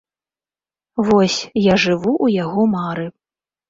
Вось, я жыву ў яго мары.